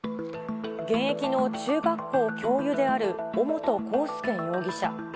現役の中学校教諭である尾本幸祐容疑者。